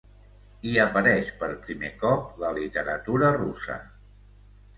Hi apareix per primer cop la literatura russa.